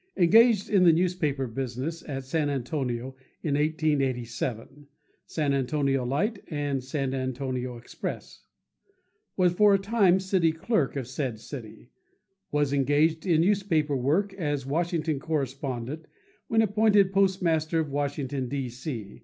Engaged in the newspaper business at San Antonio in 1887—San Antonio Light and San Antonio Express; was for a time city clerk of said city; was engaged in newspaper work as Washington correspondent when appointed Postmaster of Washington, D. C.